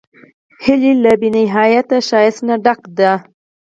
هیلۍ له بېنهایت ښکلا نه ډکه ده